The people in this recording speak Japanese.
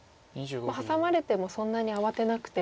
ハサまれてもそんなに慌てなくて。